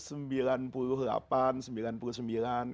katanya beliau itu mas